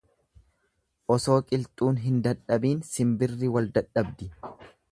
Osoo qilxuun hin dadhabiin simbirri wal dadhabdi.